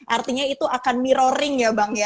artinya itu akan mirroring ya bang ya